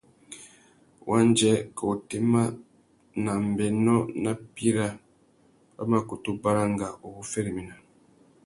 Wandjê, kā otémá, nà ambénô nà píra wa mà kutu baranga u wu féréména.